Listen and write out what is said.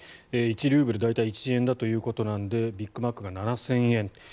１ルーブル大体１円だということなのでビッグマックが７０００円。